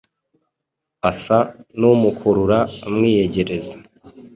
asa n’umukurura umwiyegereza